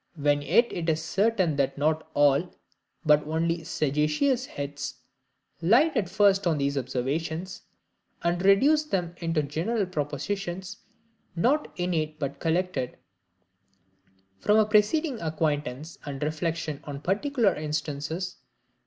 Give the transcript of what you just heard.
When yet it is certain that not all, but only sagacious heads, light at first on these observations, and reduce them into general propositions: not innate but collected from a preceding acquaintance and reflection on particular instances.